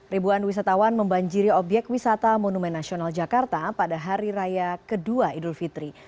ribuan wisatawan membanjiri obyek wisata monumen nasional jakarta pada hari raya kedua idul fitri